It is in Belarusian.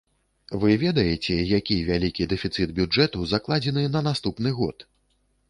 Вы ведаеце, які вялікі дэфіцыт бюджэту закладзены на наступны год?